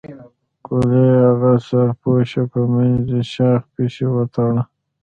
ګوليه اغه سر پوشوې په منځني شاخ پسې وتړه.